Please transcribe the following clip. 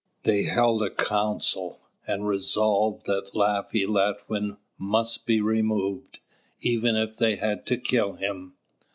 They held a council, and resolved that Laffy Latwin must be removed, even if they had to kill him.